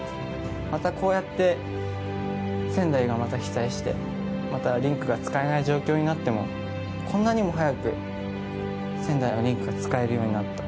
またこうやって仙台がまた被災してリンクが使えない状況になってもこんなにも早く仙台のリンクが使えるようになった。